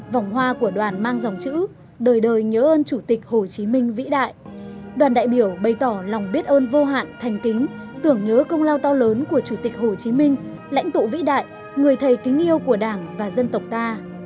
vòng hoa của đoàn mang dòng chữ đời đời nhớ ơn chủ tịch hồ chí minh vĩ đại đoàn đại biểu bày tỏ lòng biết ơn vô hạn thành kính tưởng nhớ công lao to lớn của chủ tịch hồ chí minh lãnh tụ vĩ đại người thầy kính yêu của đảng và dân tộc ta